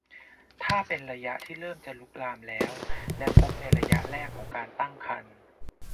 ถ้าเป็นระยะที่เริ่มจะลุกลามแล้วและพบในระยะแรกของการตั้งครรภ์